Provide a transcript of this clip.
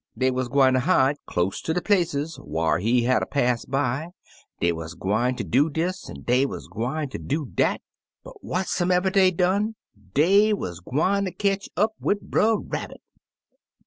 Dey wuz gwine ter hide close ter de places whar he hatter pass by; dey wuz gwineter do dis an' dey wuz gwineter do dat, but what somever dey done, dey wuz gwineter ketch up wid Brer Rabbit.